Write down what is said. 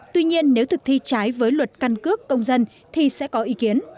tuy nhiên nếu thực thi trái với luật căn cước công dân thì sẽ có ý kiến